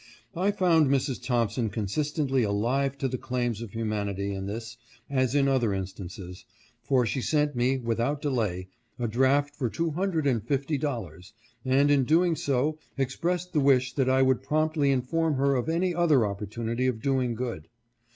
I found Mrs. Thompson consistently alive to the claims of humanity in this, as in other instances, for she sent me, without delay, a draft for two hundred and fifty dollars, and in doing so ex pressed the wish that I would promptly inform her of any other opportunity of doing good.